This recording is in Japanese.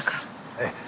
ええ。